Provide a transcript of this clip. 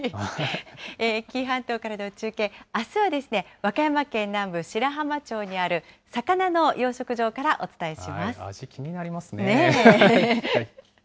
紀伊半島からの中継、あすは和歌山県南部、白浜町にある魚の養殖場からお伝えします。ねぇ。